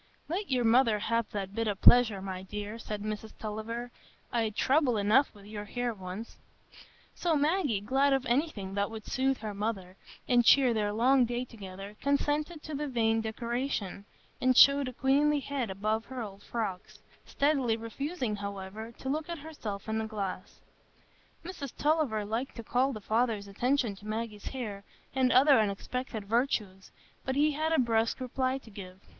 "Let your mother have that bit o' pleasure, my dear," said Mrs Tulliver; "I'd trouble enough with your hair once." So Maggie, glad of anything that would soothe her mother, and cheer their long day together, consented to the vain decoration, and showed a queenly head above her old frocks, steadily refusing, however, to look at herself in the glass. Mrs Tulliver liked to call the father's attention to Maggie's hair and other unexpected virtues, but he had a brusque reply to give.